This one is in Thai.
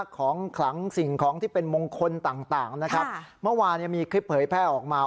ของขลังสิ่งของที่เป็นมงคลต่างต่างนะครับเมื่อวานเนี่ยมีคลิปเผยแพร่ออกมา